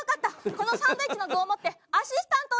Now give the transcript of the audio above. このサンドイッチの棒を持ってアシスタントをしてください！